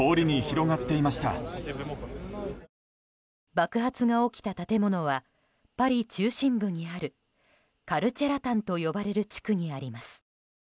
爆発が起きた建物はパリ中心部にあるカルチェラタンと呼ばれる地区にあります。